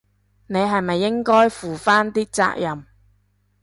你係咪應該負返啲責任？